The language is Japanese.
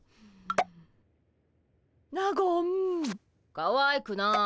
かわいくない。